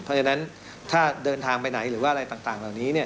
เพราะฉะนั้นถ้าเดินทางไปไหนหรือว่าอะไรต่างเหล่านี้เนี่ย